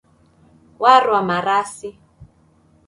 Warwa marasi.